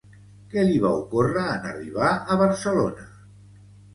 Què li va ocórrer en arribar a Barcelona?